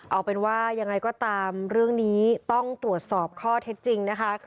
เอาเป็นว่ายังไงก็ตามเรื่องนี้ต้องตรวจสอบข้อเท็จจริงนะคะ